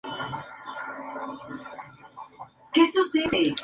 Su tesis doctoral se enfocó era en el área de geometría diferencial.